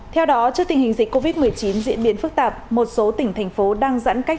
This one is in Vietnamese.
theo đó trước tình hình dịch covid một mươi chín diễn biến phức tạp một số tỉnh thành phố đang giãn cách